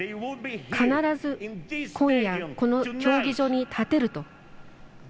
必ず、今夜、この競技場に立てると。